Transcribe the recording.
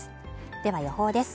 では予報です。